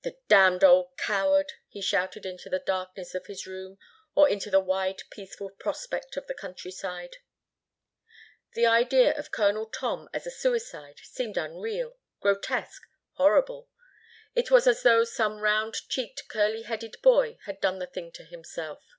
"The damned old coward," he shouted into the darkness of his room or into the wide peaceful prospect of the countryside. The idea of Colonel Tom as a suicide seemed unreal, grotesque, horrible. It was as though some round cheeked, curly headed boy had done the thing to himself.